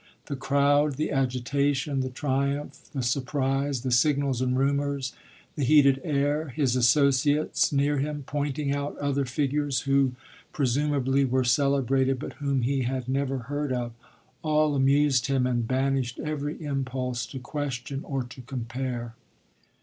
The crowd, the agitation, the triumph, the surprise, the signals and rumours, the heated air, his associates, near him, pointing out other figures who presumably were celebrated but whom he had never heard of, all amused him and banished every impulse to question or to compare.